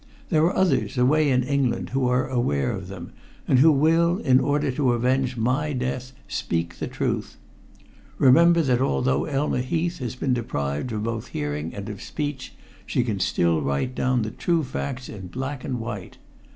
There are others, away in England, who are aware of them, and who will, in order to avenge my death, speak the truth. Remember that although Elma Heath has been deprived of both hearing and of speech, she can still write down the true facts in black and white.